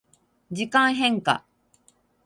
時間変化